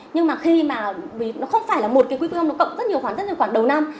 nhưng mà khi mà nó không phải là một cái quy tư không nó cộng rất nhiều khoản rất nhiều khoản đầu năm